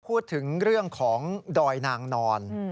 พูดถึงเรื่องของดอยนางนอน